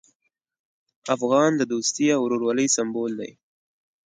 افغان د دوستي او ورورولۍ سمبول دی.